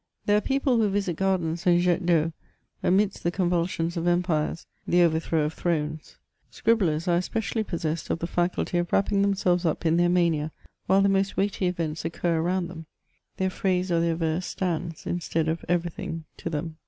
There are people who visit gardens and jets d'eau amidst the convulsions of empires; the overthrow of thrones ; scribblers are especially possessed of the faculty of irrapping themselves up in their mania while the most weighty events occur around them — their phrase or their verse stands instead of every thing to them.